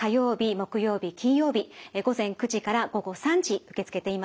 木曜日金曜日午前９時から午後３時受け付けています。